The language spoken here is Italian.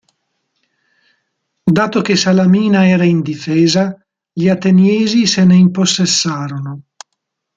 Dato che Salamina era indifesa, gli Ateniesi se ne impossessarono.